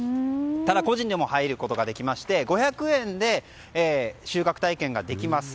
ただ、個人でも入ることができまして５００円で収穫体験ができます。